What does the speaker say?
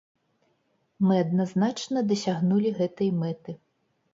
Мы адназначна дасягнулі гэтай мэты.